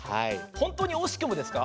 本当に惜しくもですか？